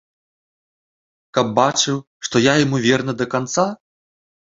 Каб бачыў, што я яму верны да канца?